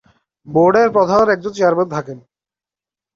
বোর্ডের প্রধান একজন চেয়ারম্যান থাকেন।